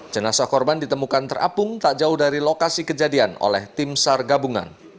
jenazah korban ditemukan terapung tak jauh dari lokasi kejadian oleh tim sar gabungan